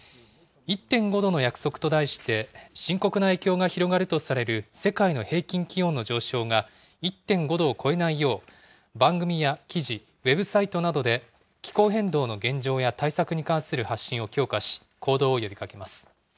１．５℃の約束と題して、深刻な影響が広がるとされる世界の平均気温の上昇が１．５度を超えないよう、番組や記事、ウェブサイトなどで気候変動の現状や対策に関する発信を強化し、行動を呼びかけます。